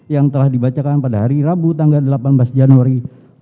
yang telah dibacakan pada hari rabu tanggal delapan belas januari dua ribu dua puluh